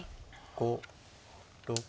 ５６。